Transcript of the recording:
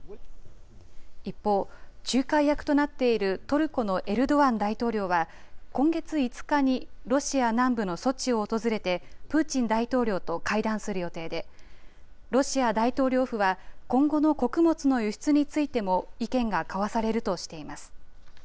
一方、仲介役となっているトルコのエルドアン大統領は今月５日にロシア南部のソチを訪れてプーチン大統領と会談する予定でロシア大統領府は今後の穀物の輸出についても意見が交わされるとしています。